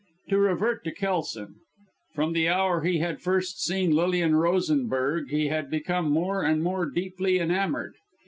To revert to Kelson. From the hour he had first seen Lilian Rosenberg he had become more and more deeply enamoured.